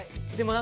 何？